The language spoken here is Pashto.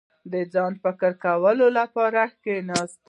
• د ځان ته فکر کولو لپاره کښېنه.